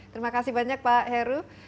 terima kasih banyak pak heru